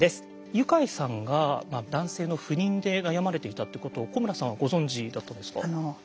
ユカイさんが男性の不妊で悩まれていたってことを古村さんはご存じだったんですか？